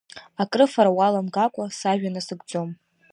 Акрыфара уаламгакәа, сажәа насыгӡом.